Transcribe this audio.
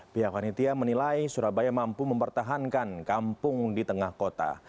pihak panitia menilai surabaya mampu mempertahankan kampung di tengah kota